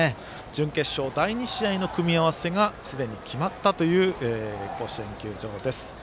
準決勝第２試合の組み合わせがすでに決まったという甲子園球場です。